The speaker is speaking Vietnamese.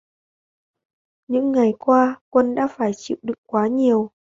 Những ngày qua Quân đã phải chịu đựng quá nhiều